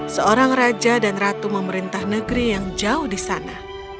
seorang raja dan ratu memerintah negeri yang jauh di sana